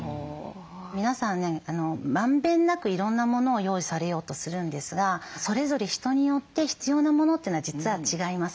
皆さんねまんべんなくいろんなものを用意されようとするんですがそれぞれ人によって必要なものというのは実は違います。